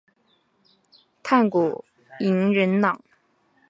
炭谷银仁朗。